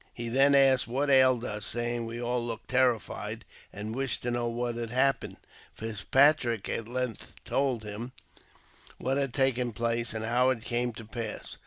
He then asked what ailed us, saying we all looked terrified, and wished to know what had happened. Fitzpatrick at length told him what had taken place, and how it came to pass.